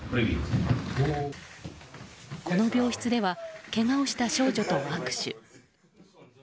この病室ではけがをした少女と握手。